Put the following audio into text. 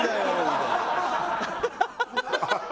ハハハハ！